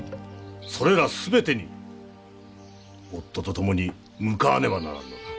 それらすべてに夫と共に向かわねばならぬのだ。